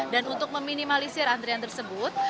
dan untuk meminimalisir antrian tersebut